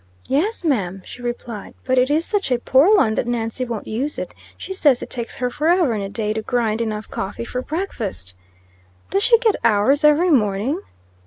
"Yes, ma'am," she replied, "but it is such a poor one that Nancy won't use it. She says it takes her forever and a day to grind enough coffee for breakfast." "Does she get ours every morning?"